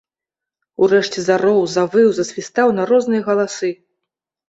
Урэшце зароў, завыў, засвістаў на розныя галасы.